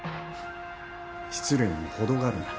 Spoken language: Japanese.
失礼にもほどがあるな。